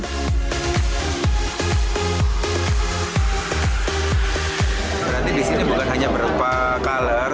berarti di sini bukan hanya berupa color